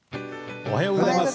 おはようございます。